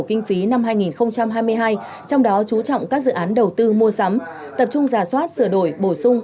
kinh phí năm hai nghìn hai mươi hai trong đó chú trọng các dự án đầu tư mua sắm tập trung giả soát sửa đổi bổ sung